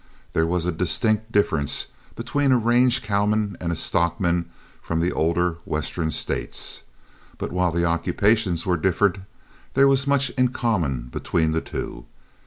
There was a distinct difference between a range cowman and a stockman from the older Western States; but while the occupations were different, there was much in common between the two.